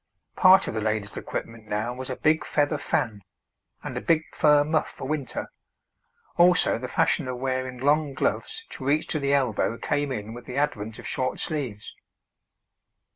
Part of the lady's equipment now was a big feather fan, and a big fur muff for winter; also the fashion of wearing long gloves to reach to the elbow came in with the advent of short sleeves.